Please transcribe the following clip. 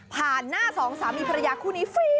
ผ่านหน้าสองสามมีภรรยาคู่นี้